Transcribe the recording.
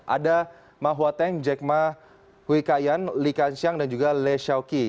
ada mahuateng jack ma hui kayan li kanxiang dan juga le xiaoki